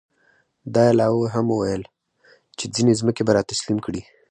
دا یې لا هم ویل چې ځینې ځمکې به را تسلیم کړي.